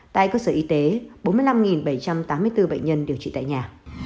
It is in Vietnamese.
tại cơ sở y tế bốn mươi năm bảy trăm tám mươi bốn bệnh nhân điều trị tại nhà